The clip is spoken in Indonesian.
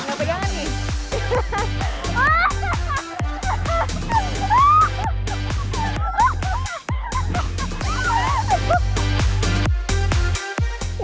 gak pegangan nih